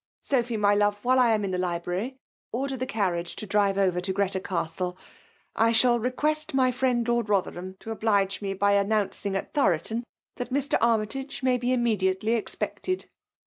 — Sophy, my love, while I am in the library, order the carriage to drive over to Greta Coigtle. I shall request my friend Lord Rotheram to oblige me by announcing at Thoroton, that Mr. Armytage may be im mediately expected."